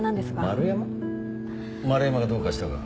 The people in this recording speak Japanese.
丸山がどうかしたか？